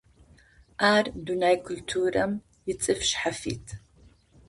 Ар дунэе культурэм ицӀыф шъхьафит.